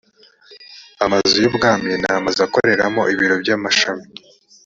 amazu y ubwami n amazu akoreramo ibiro by amashami